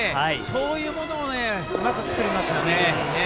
そういうものをうまく作りますよね。